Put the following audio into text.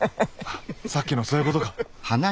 さっきのそういうことか！